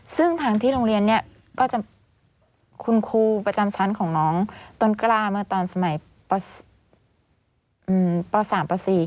ซึ่งทางที่โรงเรียนเนี่ยก็จะคุณครูประจำชั้นของน้องต้นกล้ามาตอนสมัยป๓ป๔